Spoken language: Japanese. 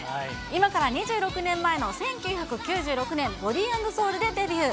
今から２６年前の１９９６年、ボディ＆ソウルでデビュー。